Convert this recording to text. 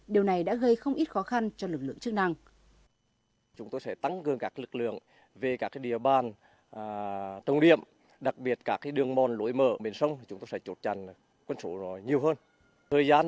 điều này đã gây không ít khó khăn cho lực lượng chức năng